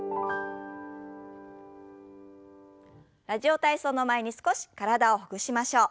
「ラジオ体操」の前に少し体をほぐしましょう。